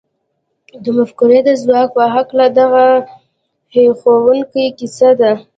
د مفکورې د ځواک په هکله دغه هیښوونکې کیسه ده